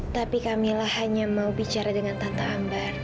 tapi kamilah hanya mau bicara dengan tante ambar